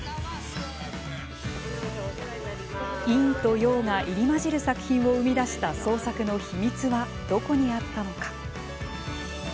陰と陽が入り交じる作品を生み出した創作の秘密はどこにあったのか。